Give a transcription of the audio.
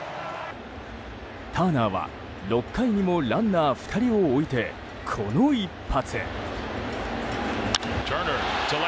ターナーは６回にもランナー２人を置いてこの一発。